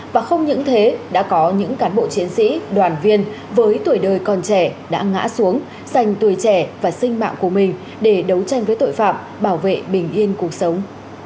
và không những thế đã có những cán bộ chiến sĩ đoàn viên với tuổi đời còn trẻ đã ngã xuống dành tuổi trẻ và sinh mạng của mình để đấu tranh với tội phạm bảo vệ bình yên cuộc sống